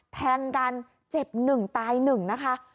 แทงกันเจ็บหนึ่งตายหนึ่งนะคะ